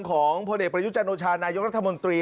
ของพลเอกประยุจันโอชานายกรัฐมนตรี